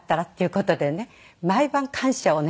毎晩感謝をね